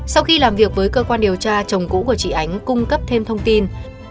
sau khi làm việc với cơ quan điều tra chồng cũ của chị ánh cung cấp thêm thông tin